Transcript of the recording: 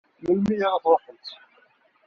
Melmi ara tṛuḥemt?